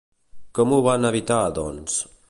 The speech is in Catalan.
Com ho van evitar, doncs?